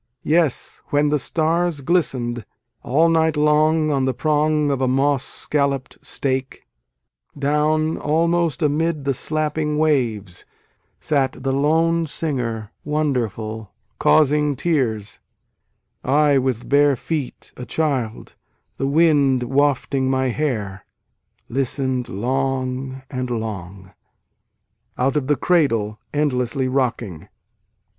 Yes, when the stars glisten d, All night long on the prong of a moss scallop d stake, Down, almost amid the slapping waves, Sat the lone singer wonderful causing tears I, with bare feet, a child, the wind wafting my hair, Listen d long and long ....... (Out of the Cradle Endlessly Rocking.)